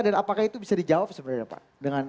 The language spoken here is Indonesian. dan apakah itu bisa dijawab sebenarnya pak